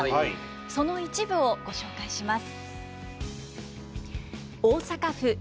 その一部をご紹介します。